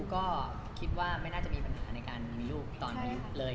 ก็คิดว่าไม่น่าจะมีปัญหาในการมีลูกตอนนี้เลย